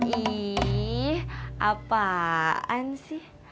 ih apaan sih